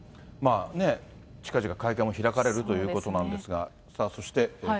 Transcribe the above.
近々会見を開かれるということなんですが。